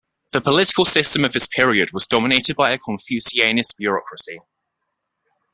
The political system of this period was dominated by a Confucianist bureaucracy.